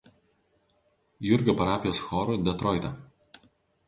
Jurgio parapijos choru Detroite.